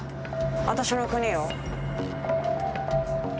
私の国よ。